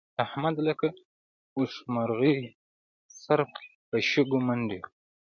احمد لکه اوښمرغی سر په شګو منډي.